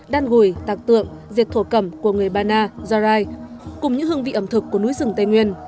đan gùi tạc tượng diệt thổ cẩm của người ba na gia rai cùng những hương vị ẩm thực của núi rừng tây nguyên